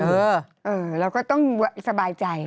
เออเออแล้วก็ต้องสบายใจ